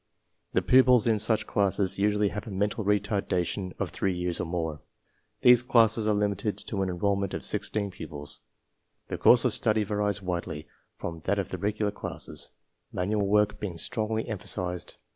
'The pupils in such classes usually have a mental retardation of three yea, Ts CLASSIFICATION BY MENTAL ABILITY 37 or more. These classes are limited to an enroll ment of 16 pupils. The course of study varies widely from tha,t of the regular classes, manual work being strongly emphasized.